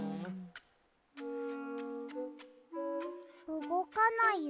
うごかないよ。